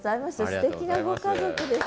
すてきなご家族です